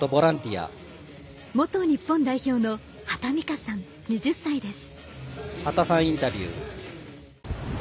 元日本代表の波田みかさん、２０歳です。